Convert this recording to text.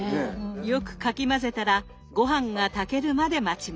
よくかき混ぜたらごはんが炊けるまで待ちます。